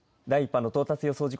第１波の到達予想